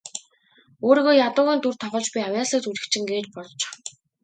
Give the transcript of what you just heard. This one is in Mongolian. Өөрийгөө ядуугийн дүрд тоглож буй авъяаслагжүжигчин гээд л бодчих.